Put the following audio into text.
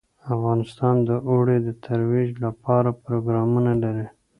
افغانستان د اوړي د ترویج لپاره پروګرامونه لري.